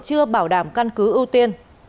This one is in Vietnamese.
chưa bảo đảm căn cứ ưu tiên